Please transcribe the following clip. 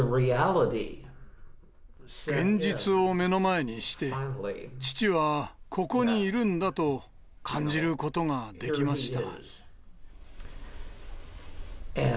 現実を目の前にして、父はここにいるんだと感じることができました。